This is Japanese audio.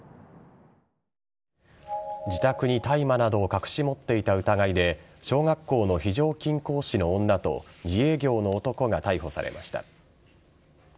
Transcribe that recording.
自宅に大麻などを隠し持っていた疑いで小学校の非常勤講師の女と自営業の男が逮捕されました。